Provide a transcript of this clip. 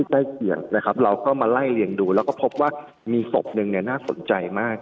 เราก็มาไล่เลี่ยงดูแล้วก็พบว่ามีศพหนึ่งน่าสนใจมาก